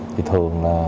thì thường là